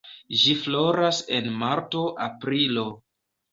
Ĝi floras en marto-aprilo.